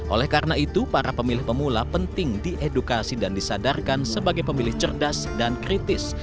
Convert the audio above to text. oleh karena itu para pemilih pemula penting diedukasi dan disadarkan sebagai pemilih cerdas dan kritis